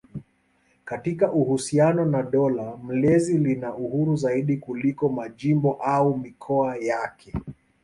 Katika uhusiano na dola mlezi lina uhuru zaidi kuliko majimbo au mikoa yake.